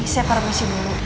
saya permisi dulu